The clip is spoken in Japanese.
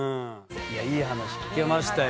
いい話聞けましたよ。